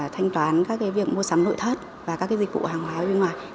thanh toán các cái việc mua sắm nội thất và các cái dịch vụ hàng hóa ở bên ngoài